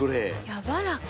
やわらか。